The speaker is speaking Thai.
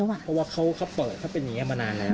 เพราะว่าเขาเปิดเขาเป็นอย่างนี้มานานแล้ว